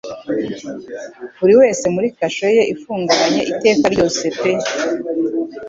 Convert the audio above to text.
Buri wese muri kasho ye ifunganye iteka ryose pe